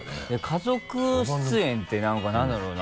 家族出演って何か何だろうな？